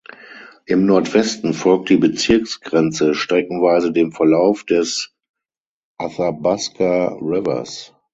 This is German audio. Im Nordwesten folgt die Bezirksgrenze streckenweise dem Verlauf des Athabasca Rivers.